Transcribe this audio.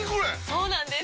そうなんです！